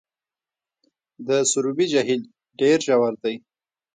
د سروبي جهیل ډیر ژور دی